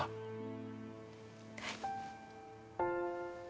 はい。